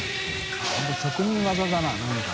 榲職人技だな何か。